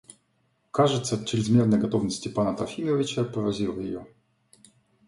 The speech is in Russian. Кажется, чрезмерная готовность Степана Трофимовича поразила ее.